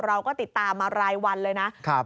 เราก็ติดตามมารายวันเลยนะ